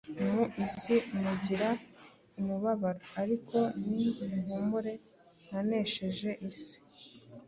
Mu isi mugira umubabaro, ariko nimuhumure, nanesheje isi.